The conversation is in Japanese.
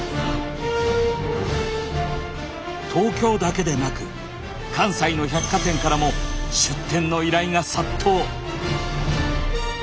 東京だけでなく関西の百貨店からも出店の依頼が殺到。